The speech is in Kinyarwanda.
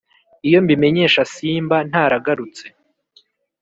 iyo mbimenya simba ntaragarutse